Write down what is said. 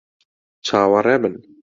چاوەڕێ بن!